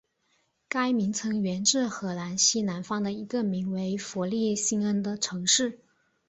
该名称源自荷兰西南方的一个名为弗利辛恩的城市。